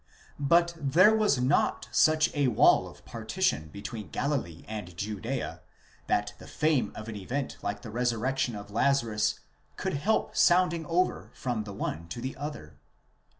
®> But there was not such a wall of par tition between Galilee and Judea, that the fame of an event like the resurrec tion of Lazarus could help sounding over from the one to the other.